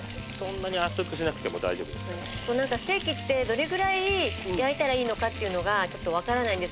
なんかステーキってどれくらい焼いたらいいのかっていうのがちょっとわからないんです。